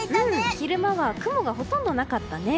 昼間は雲がほとんどなかったね。